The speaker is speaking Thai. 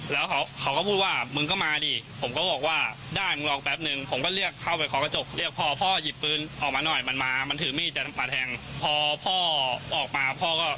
ลักษณะเหมือนเยี่ยมที่อู่เขา